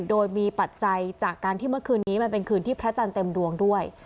โดยมีปัจจัยจากการที่เมื่อคืนนี้มันเป็นคืนที่พระจันทร์เต็มดวงด้วย